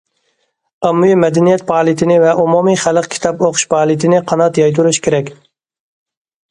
ئاممىۋى مەدەنىيەت پائالىيىتىنى ۋە ئومۇمىي خەلق كىتاب ئوقۇش پائالىيىتىنى قانات يايدۇرۇش كېرەك.